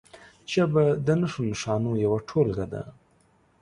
ژبه د نښو نښانو یوه ټولګه ده.